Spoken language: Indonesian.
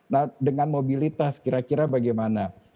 nah dengan mobilitas kira kira bagaimana